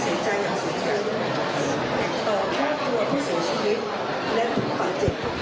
แก่ต่อเพื่อรักตัวผู้เสียชีวิตและผู้ต่อเจ็บทุกท่าน